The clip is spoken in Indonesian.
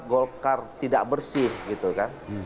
golkar tidak bersih gitu kan